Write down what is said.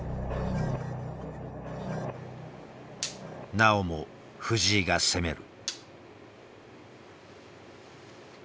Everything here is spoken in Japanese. なおも藤井が攻める。